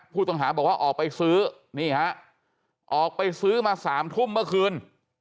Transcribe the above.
ผู้ต้องหาบอกว่าออกไปซื้อนี่ฮะออกไปซื้อมา๓ทุ่มเมื่อคืน